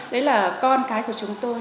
đấy là con cái của chúng tôi